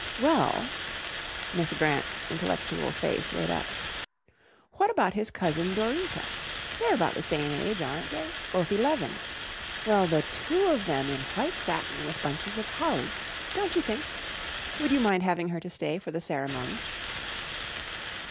"Well," Miss Grant's intellectual face lit up "what about his cousin Dorita. They're about the same age, aren't they? Both eleven. Well, the two of them in white satin with bunches of holly. Don't you think? Would you mind having her to stay for the ceremony?"